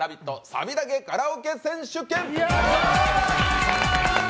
サビだけカラオケ選手権。